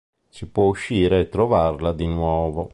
Si può uscire e trovarla di nuovo.